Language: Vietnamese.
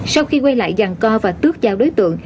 sau khi quay lại dàn co và tước dao đối tượng